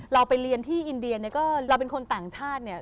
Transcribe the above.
เราไปเรียนที่อินเดียเราเป็นคนต่างชาติ